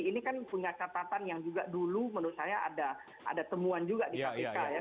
ini kan punya catatan yang juga dulu menurut saya ada temuan juga di kpk ya